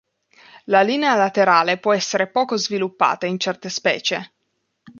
La linea laterale può essere poco sviluppata in certe specie.